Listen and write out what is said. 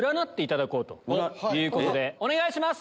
お願いします！